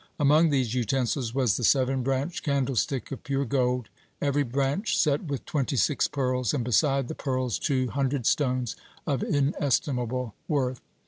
Among these utensils was the seven branched candlestick of pure gold, every branch set with twenty six pearls, and beside the pearls two hundred stones of inestimable worth.